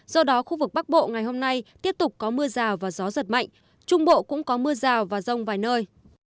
do đó khu vực bắc bộ ngày hôm nay tiếp tục có mưa rào và gió giật mạnh trung bộ cũng có mưa rào và rông vài nơi